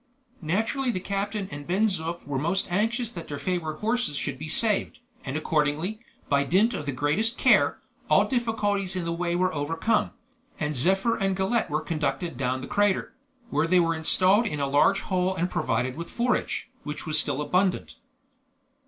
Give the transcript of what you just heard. Naturally the captain and Ben Zoof were most anxious that their favorite horses should be saved, and accordingly, by dint of the greatest care, all difficulties in the way were overcome, and Zephyr and Galette were conducted down the crater, where they were installed in a large hole and provided with forage, which was still abundant.